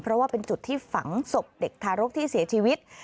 เพราะว่าเป็นจุดที่ฝังศพเด็กทารกที่เสียชีวิต